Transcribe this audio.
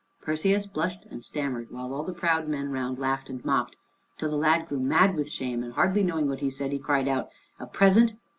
Perseus blushed and stammered, while all the proud men round laughed and mocked, till the lad grew mad with shame, and hardly knowing what he said, cried out: "A present!